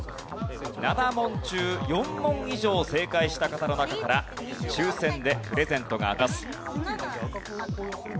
７問中４問以上正解した方の中から抽選でプレゼントが当たります。